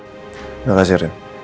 terima kasih ren